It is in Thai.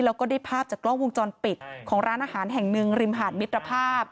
แล้วก็ได้ภาพจากกล้องวงจรปิดของร้านอาหารแห่งหนึ่งริมหาดมิตรภาพ